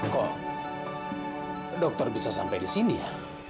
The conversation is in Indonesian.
kok dokter bisa sampai di sini ya